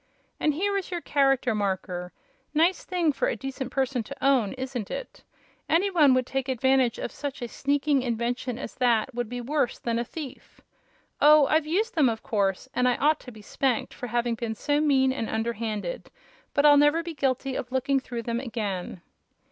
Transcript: And here is your Character Marker. Nice thing for a decent person to own, isn't it? Any one who would take advantage of such a sneaking invention as that would be worse than a thief! Oh, I've used them, of course, and I ought to be spanked for having been so mean and underhanded; but I'll never be guilty of looking through them again."